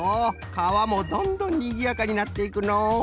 かわもどんどんにぎやかになっていくのう！